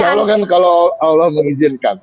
insya allah kan kalau allah mengizinkan